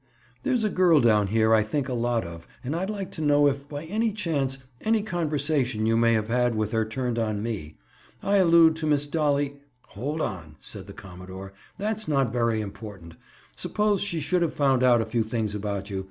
There's a girl down here I think a lot of and I'd like to know if, by any chance, any conversation you may have had with her turned on me. I allude to Miss Dolly—" "Hold on," said the commodore. "That's not very important. Suppose she should have found out a few things about you?